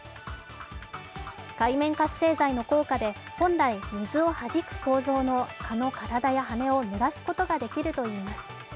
界面活性剤の効果で本来水をはじく構造の蚊の体や羽根をぬらすことができるといいます。